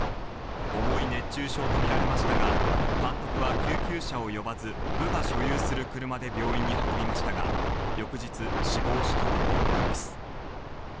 重い熱中症と見られましたが、監督は救急車を呼ばず、部が所有する車で病院に運びましたが、翌日、死亡したということです。